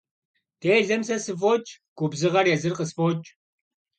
Делэм сэ сыфӀокӀ, губзыгъэр езыр къысфӀокӀ.